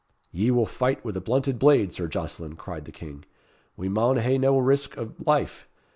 "Ye will fight with a blunted blade, Sir Jocelyn," cried the King. "We maun hae nae risk of life.